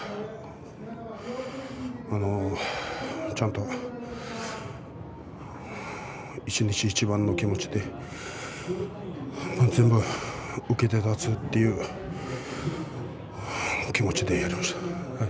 ちゃんと一日一番の気持ちで全部受けて立つという気持ちでやりました。